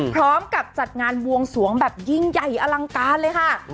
พร้อมกับจัดงานบวงสวงแบบยิ่งใหญ่อลังการเลยค่ะ